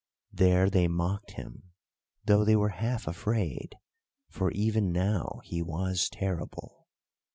There they mocked him, though they were half afraid; for even now he was terrible.